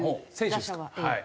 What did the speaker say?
打者は？